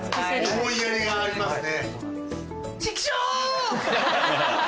思いやりがありますね。